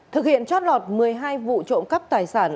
thực hiện trót lọt một mươi hai vụ trộm cắp tài sản